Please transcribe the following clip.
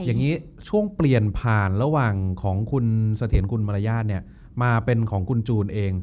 อย่างนี้ช่วงเปลี่ยนผ่านระหว่างของคุณเสถียรคุณมารยาทมาเป็นของคุณจูนเอง